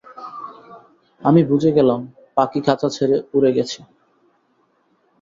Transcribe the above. আমি বুঝে গেলাম পাখি খাঁচা ছেড়ে উড়ে গেছে।